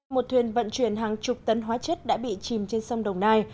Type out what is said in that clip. một thuyền vận chuyển hàng chục tấn hóa chất đã bị chìm trên sông đồng nai